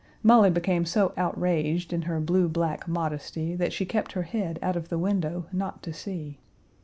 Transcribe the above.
Molly became so outraged in her blue black modesty that she kept her head out of the window not to see!